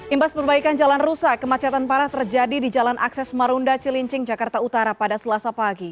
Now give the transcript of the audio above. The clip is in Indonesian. imbas perbaikan jalan rusak kemacetan parah terjadi di jalan akses marunda cilincing jakarta utara pada selasa pagi